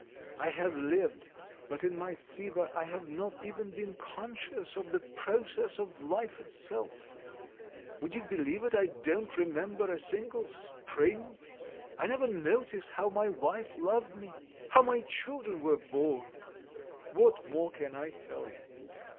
I have lived, but in my fever I have not even been conscious of the process of life itself. Would you believe it, I don't remember a single spring, I never noticed how my wife loved me, how my children were born. What more can I tell you?